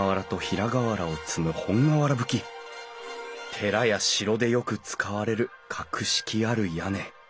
寺や城でよく使われる格式ある屋根。